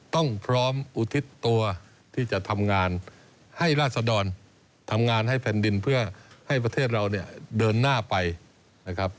ต้องพร้อมอุทิศตัวที่จะทำงานให้ราศดรทำงานให้แผ่นดินเพื่อให้ประเทศเราเนี่ยเดินหน้าไปนะครับ